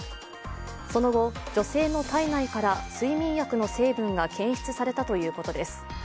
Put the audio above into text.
その後、女性の体内から睡眠薬の成分が検出されたということです。